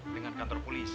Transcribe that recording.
beringan kantor polisi